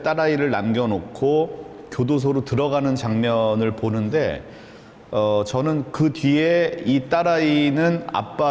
dan menemukan anak anak yang berumur tujuh tahun yang ditemukan di dalam penjara